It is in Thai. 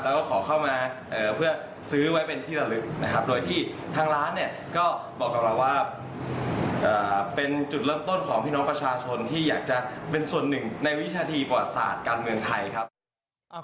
แล้วก็ขอเข้ามาเพื่อซื้อไว้เป็นที่ระลึกนะครับโดยที่ทางร้านเนี่ยก็บอกกับเราว่าเป็นจุดเริ่มต้นของพี่น้องประชาชนที่อยากจะเป็นส่วนหนึ่งในวินาทีประวัติศาสตร์การเมืองไทยครับ